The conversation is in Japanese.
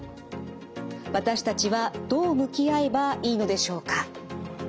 私たちはどう向き合えばいいのでしょうか？